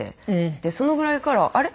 そのぐらいからあれ？